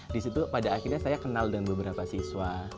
di situ pada akhirnya saya kenal dengan beberapa siswa